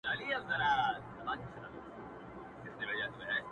• په څپو او په موجونو کي ورکیږي -